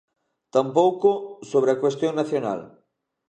Tampouco sobre a cuestión nacional.